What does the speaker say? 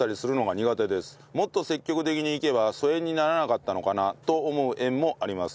もっと積極的にいけば疎遠にならなかったのかなと思う縁もあります。